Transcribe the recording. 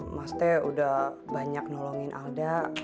mas t udah banyak nolongin alda